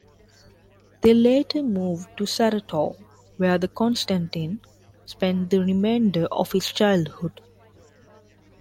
They later moved to Saratov, where Konstantin spent the remainder of his childhood.